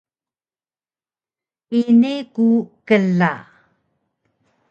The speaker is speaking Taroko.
Ini ku kla!